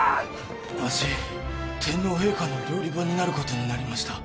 わし天皇陛下の料理番になることになりました